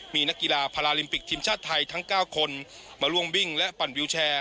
มีนักกีฬาพาราลิมปิกทีมชาติไทยทั้ง๙คนมาร่วมวิ่งและปั่นวิวแชร์